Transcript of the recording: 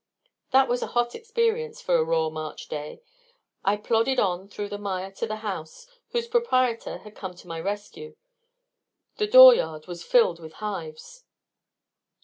That was a hot experience, for a raw March day. I plodded on through the mire to the house, whose proprietor had come to my rescue. The dooryard was filled with hives.